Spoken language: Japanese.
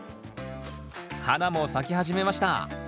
花も咲き始めました。